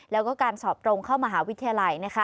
แล้วก็การสอบตรงเข้ามหาวิทยาลัย